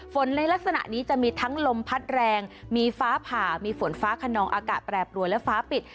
ในลักษณะนี้จะมีทั้งลมพัดแรงมีฟ้าผ่ามีฝนฟ้าขนองอากาศแปรปรวนและฟ้าปิด